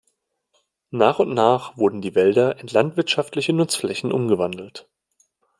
Nach und nach wurden die Wälder in landwirtschaftliche Nutzflächen umgewandelt.